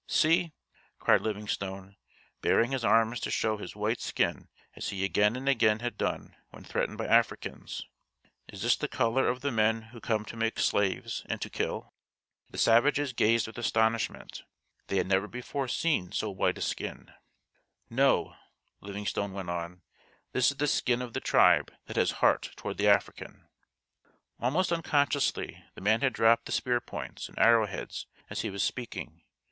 "See," cried Livingstone, baring his arm to show his white skin as he again and again had done when threatened by Africans, "is this the colour of the men who come to make slaves and to kill?" The savages gazed with astonishment. They had never before seen so white a skin. "No," Livingstone went on, "this is the skin of the tribe that has heart toward the African." Almost unconsciously the man had dropped the spear points and arrow heads as he was speaking.